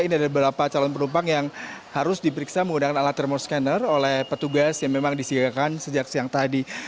ini ada beberapa calon penumpang yang harus diperiksa menggunakan alat thermon scanner oleh petugas yang memang disiagakan sejak siang tadi